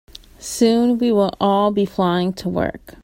Soon, we will all be flying to work.